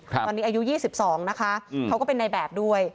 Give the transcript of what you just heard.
ตอนนี้อายุ๒๒นะคะเขาก็เป็นในแบบด้วย